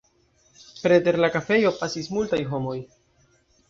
Preter la kafejo pasis multaj homoj.